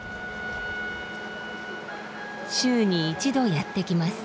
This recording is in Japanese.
週に一度やって来ます。